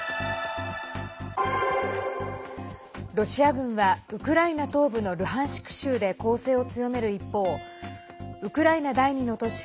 ロシア軍はウクライナ東部のルハンシク州で攻勢を強める一方ウクライナ第２の都市